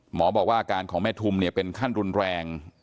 หมอบอกว่าอาการของแม่ทุมเนี่ยเป็นขั้นรุนแรง